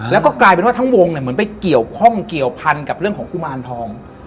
แล้วก็กลายเป็นว่าทั้งวงเหมือนไปเกี่ยวพันกับเรื่องของกุมารทอง